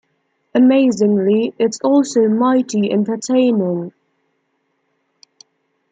Amazingly, it's also mighty entertaining.